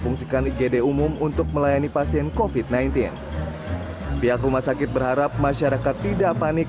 fungsikan igd umum untuk melayani pasien kofit sembilan belas pihak rumah sakit berharap masyarakat tidak panik